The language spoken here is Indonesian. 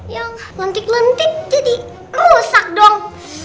yang lentik nuntik jadi rusak dong